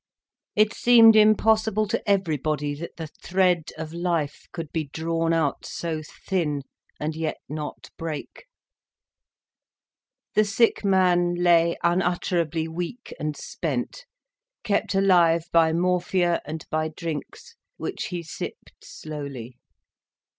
It seemed impossible to everybody that the thread of life could be drawn out so thin, and yet not break. The sick man lay unutterably weak and spent, kept alive by morphia and by drinks, which he sipped slowly.